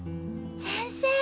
先生。